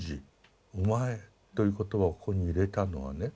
「お前」という言葉をここに入れたのはね